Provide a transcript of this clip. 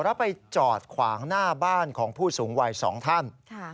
แล้วไปจอดขวางหน้าบ้านของผู้สูงวัย๒ท่าน